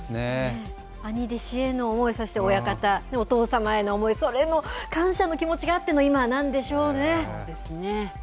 兄弟子への思い親方、お父さまへの思いそれの感謝の気持ちがあっての今なんでしょうね。